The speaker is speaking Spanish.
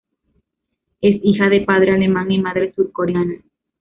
Es hija de padre alemán y madre surcoreana.